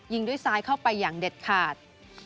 ยิงด้วยซ้ายเข้าไปอย่างเด็ดขาด